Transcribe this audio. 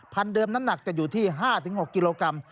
เดิมน้ำหนักจะอยู่ที่๕๖กิโลกรัม